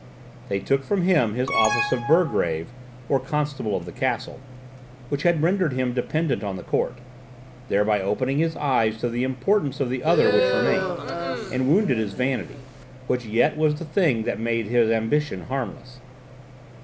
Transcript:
They took from him his office of burgrave, or constable of the castle, which had rendered him dependent on the court, thereby opening his eyes to the importance of the other which remained, and wounded his vanity, which yet was the thing that made his ambition harmless.